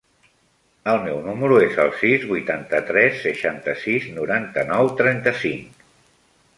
El meu número es el sis, vuitanta-tres, seixanta-sis, noranta-nou, trenta-cinc.